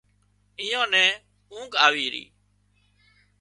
ايئان نين اونگھ آوي ري